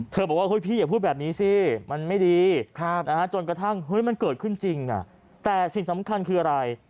บอกว่าเฮ้ยพี่อย่าพูดแบบนี้สิมันไม่ดีจนกระทั่งมันเกิดขึ้นจริงแต่สิ่งสำคัญคืออะไร